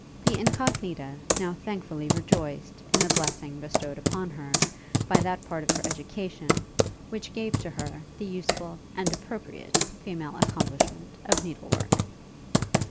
The Incognita now thankfully rejoiced in the blessing bestowed upon her, by that part of her education, which gave to her the useful and appropriate female accomplishment of needle work.